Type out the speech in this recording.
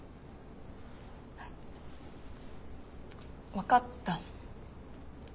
分かった。